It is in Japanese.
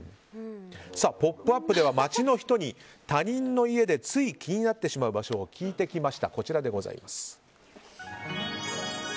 「ポップＵＰ！」では街の人に他人の家でつい気になってしまう場所を聞いてきました。